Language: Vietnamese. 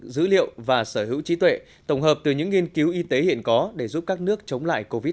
dữ liệu và sở hữu trí tuệ tổng hợp từ những nghiên cứu y tế hiện có để giúp các nước chống lại covid một mươi chín